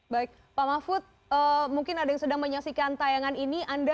baik pak mahfud mungkin ada yang sedang menyaksikan tayangan ini